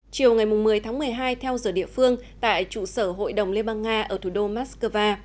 chiều ngày một mươi tháng một mươi hai theo giờ địa phương tại trụ sở hội đồng liên bang nga ở thủ đô moscow